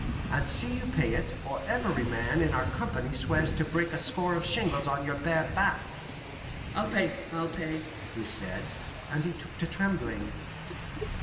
And see you pay it, or every man in our company swears to break a score of shingles on your bare back." "I'll pay, I'll pay," he said, and he took to trembling.